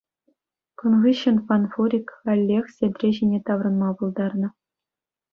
Кун хыҫҫӑн фанфурик каллех сентре ҫине таврӑнма пултарнӑ.